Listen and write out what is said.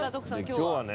今日はね